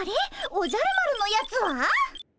おじゃる丸のやつは？